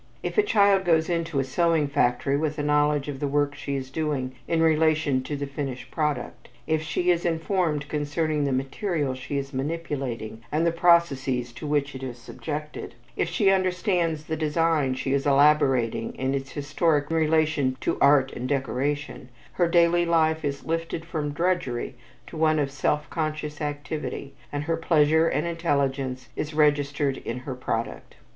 If a child goes into a sewing factory with a knowledge of the work she is doing in relation to the finished product; if she is informed concerning the material she is manipulating and the processes to which it is subjected; if she understands the design she is elaborating in its historic relation to art and decoration, her daily life is lifted from drudgery to one of self conscious activity, and her pleasure and intelligence is registered in her product.